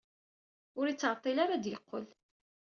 Ur ittɛeṭṭil ara ad d-yeqqel.